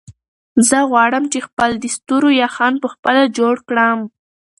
زه غواړم چې خپل د ستورو یخن په خپله جوړ کړم.